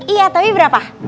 iya tapi berapa